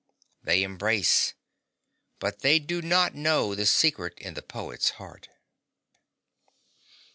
(They embrace. But they do not know the secret in the poet's heart.)